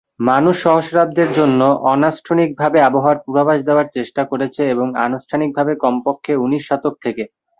মানুষ সহস্রাব্দের জন্য অনানুষ্ঠানিকভাবে আবহাওয়ার পূর্বাভাস দেওয়ার চেষ্টা করেছে, এবং আনুষ্ঠানিকভাবে কমপক্ষে উনিশ শতক থেকে।